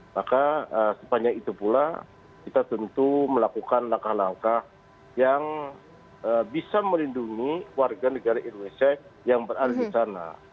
maka sepanjang itu pula kita tentu melakukan langkah langkah yang bisa melindungi warga negara indonesia yang berada di sana